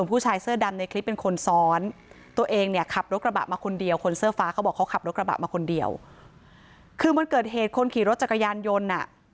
เพราะว่าใส่หมวกกันนอกอยู่นะคะ